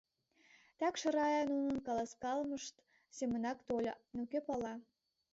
Такше Рая нунын каласкалымышт семынак тольо, но кӧ пала...